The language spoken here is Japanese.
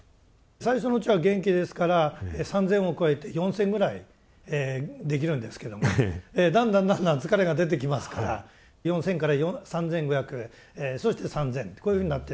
最初のうちは元気ですから３０００を超えて４０００ぐらいできるんですけどもだんだんだんだん疲れが出てきますから４０００から３５００そして３０００とこういうふうになっていきます。